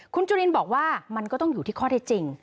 คุณจุลินบอกว่ามันก็ต้องอยู่ที่ข้อเท็จจริง